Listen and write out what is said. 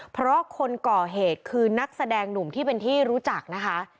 เพราะคนก่อเหตุคือนักแสดงหนุ่มที่เป็นที่รู้จักนะคะ